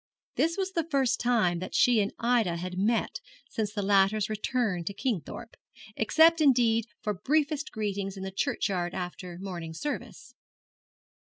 This was the first time that she and Ida had met since the latter's return to Kingthorpe, except indeed for briefest greetings in the churchyard after morning service.